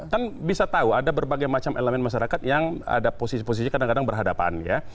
kan bisa tahu ada berbagai macam elemen masyarakat yang ada posisi posisi kadang kadang berhadapan ya